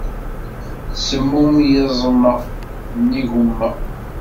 Semmum yiẓem-a n yigumma.